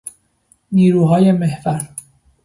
نیروهای محور